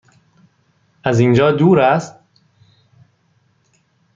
از اینجا دور است؟